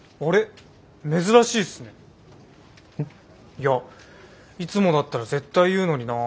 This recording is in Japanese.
いやいつもだったら絶対言うのになって。